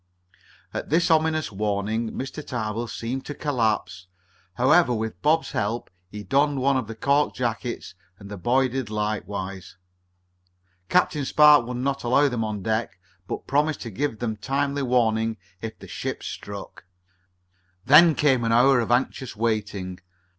At this ominous warning Mr. Tarbill seemed to collapse. However, with Bob's help he donned one of the cork jackets, and the boy did likewise. Captain Spark would not allow them on deck, but promised to give them timely warning if the ship struck. Then came an hour of anxious waiting.